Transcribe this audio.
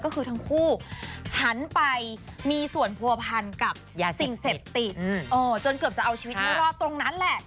ก็คือทั้งคู่หันไปมีส่วนผัวพันกับสิ่งเสพติดจนเกือบจะเอาชีวิตไม่รอดตรงนั้นแหละ